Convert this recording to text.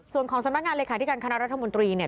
ส่วนของสำนักงานเลขาธิการคณะรัฐมนตรีเนี่ย